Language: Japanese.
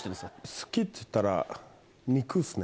好きっていったら肉ですね